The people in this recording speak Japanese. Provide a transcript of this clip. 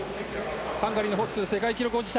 ハンガリーのホッスー世界記録保持者。